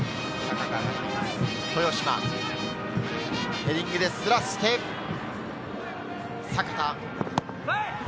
ヘディングですらして、阪田。